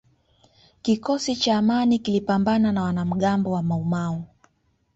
kikosi cha amini kilipambana na wanamgambo wa maumau